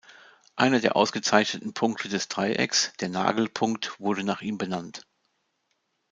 Einer der ausgezeichneten Punkte des Dreiecks, der Nagel-Punkt, wurde nach ihm benannt.